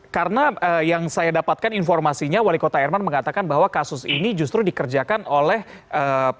karena yang saya dapatkan informasinya wali kota erman mengatakan bahwa kasus ini justru dikerjakan oleh pemerintah